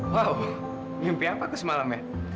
wow mimpi apa tuh semalam ya